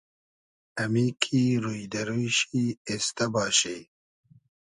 امی کی روی دۂ روی شی اېستۂ باشی